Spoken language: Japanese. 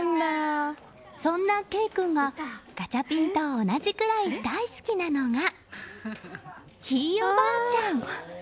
そんな慧君がガチャピンと同じくらい大好きなのがひいおばあちゃん。